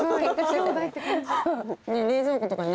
冷蔵庫とかに。